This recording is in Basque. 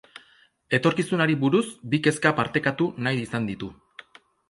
Etorkizunari buruz bi kezka partekatu nahi izan ditu.